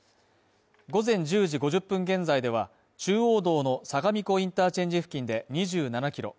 午前１０時５０分現在では、中央道の相模湖インターチェンジ付近で２７キロ。